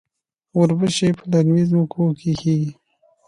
وربشې په للمي ځمکو کې کیږي.